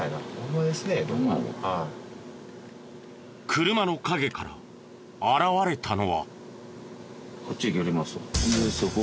車の陰から現れたのは。